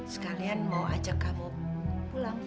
sekalian mau ajak kamu pulang